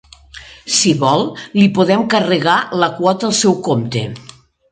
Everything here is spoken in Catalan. Si vol, li podem carregar la quota al seu compte.